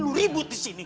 lo ribut disini